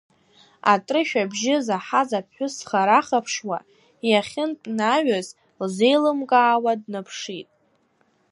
Атрышә абжьы заҳаз аԥҳәыс дхара-хаԥшуа, иахьынтә наҩыз лзеилымкаауа днаԥшит.